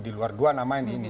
di luar dua nama ini